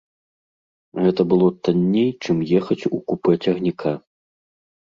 Гэта было танней, чым ехаць у купэ цягніка.